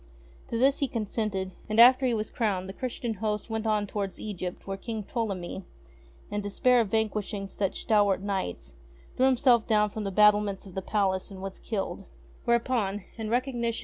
To this he consented, and, after he was crowned, the Christian host went on towards Egypt where King Ptolemy, In despair of vanquishing such stalwart knights, threw himself down from the battlements of the palace and was killed, Whereupon, in recognition of ST.